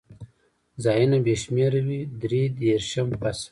ځایونه بې شمېره و، درې دېرشم فصل.